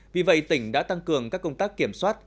vì vậy tỉnh đã tăng cường các công tác kiểm soát